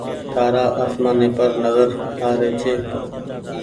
تآرآ آسمآني پر نزر آري ڇي۔